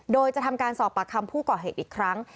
โดยจะทำการสอบปากคำผู้ก่อเหตุอีกครั้ง